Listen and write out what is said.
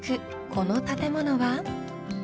この建物は］